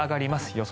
予想